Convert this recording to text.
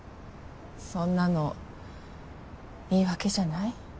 そんなの言い訳じゃない？